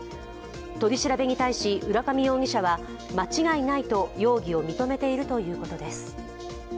取り調べに対し、浦上容疑者は間違いないと容疑を認めているということです。